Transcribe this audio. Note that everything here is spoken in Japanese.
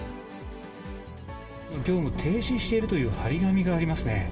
業務停止しているという貼り紙がありますね。